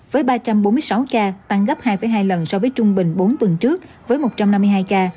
với ba trăm bốn mươi sáu ca tăng gấp hai hai lần so với trung bình bốn tuần trước với một trăm năm mươi hai ca